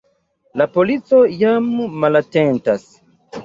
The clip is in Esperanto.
La polico jam malatentas.